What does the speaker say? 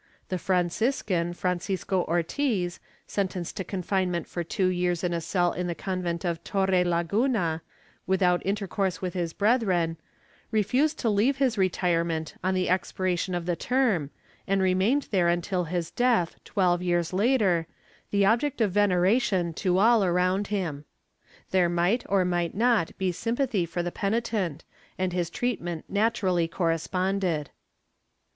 The Franciscan, Francisco Ortiz, sentenced to confine ment for two years in a cell in the convent of Torrelaguna, without intercourse with his brethren, refused to leave his retirement on the expiration of the term and remained there till his death, twelve years later, the object of veneration to all around him.^ There might or might not be sympathy for the penitent and his treat ment naturally corresponded.